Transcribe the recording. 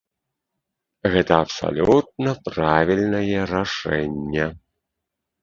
Гэта абсалютна правільнае рашэнне.